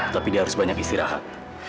tapi dia harus banyak istirahat